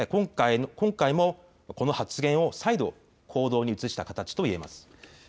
今回もこの発言を再度、行動に移した形と言えます。